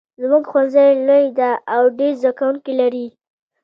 زمونږ ښوونځی لوی ده او ډېر زده کوونکي لري